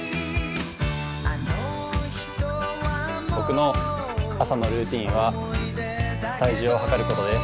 僕の朝のルーティンは、体重を量ることです。